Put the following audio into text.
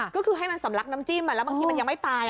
ก็คือให้มันสำลักน้ำจิ้มแล้วบางทีมันยังไม่ตาย